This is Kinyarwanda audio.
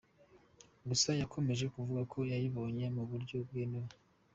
Gusa yakomeje kuvuga ko yayibonye mu buryo bwemewe.